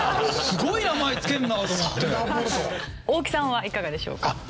大木さんはいかがでしょうか？